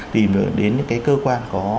tìm đến những cái cơ quan